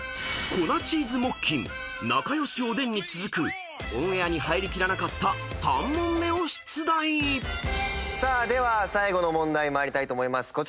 ［粉チーズ木琴仲良しおでんに続くオンエアに入り切らなかった３問目を出題］では最後の問題に参りたいと思います。